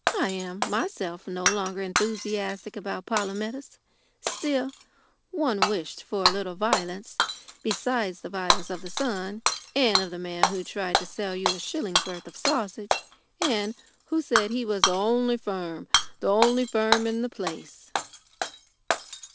I am myself no longer enthusiastic about Polumetis. Still, one wished for a little violence besides the violence of the sun and of the man who tried to sell you a shilling's worth of sausage and who said he was "the only firm, the only firm in the place."